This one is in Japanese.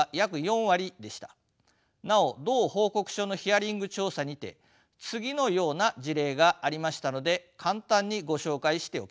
なお同報告書のヒアリング調査にて次のような事例がありましたので簡単にご紹介しておきます。